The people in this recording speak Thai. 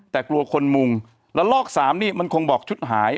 แต่กลัวคนมุงแล้วลอกสามนี่มันคงบอกชุดหาย